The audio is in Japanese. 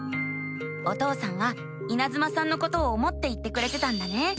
お父さんはいなずまさんのことを思って言ってくれてたんだね。